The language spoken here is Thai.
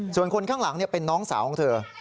ส่วนคนข้างหลังเป็นน้องสาวของเธอ